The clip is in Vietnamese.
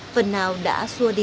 phần nào đã xua đi